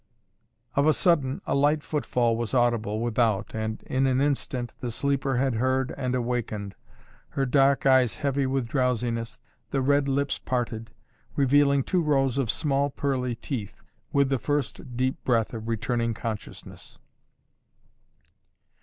Of a sudden a light footfall was audible without and in an instant the sleeper had heard and awakened, her dark eyes heavy with drowsiness, the red lips parted, revealing two rows of small, pearly teeth, with the first deep breath of returning consciousness.